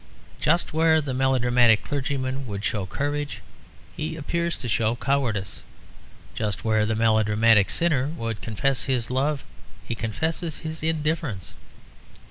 Just where the melodramatic clergyman would show courage he appears to show cowardice; just where the melodramatic sinner would confess his love he confesses his indifference.